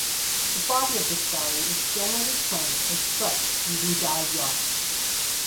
The body of this saree is generally plain or striped using dyed yarns.